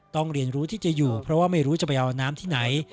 เรียนรู้ที่จะอยู่เพราะว่าไม่รู้จะไปเอาน้ำที่ไหน